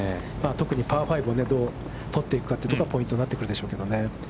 特にパー５をどう取っていくかというところがポイントになってくるでしょうけどね。